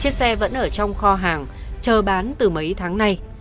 chiếc xe vẫn ở trong kho hàng chờ bán từ mấy tháng nay